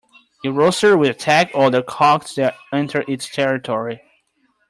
A rooster will attack other cocks that enter its territory.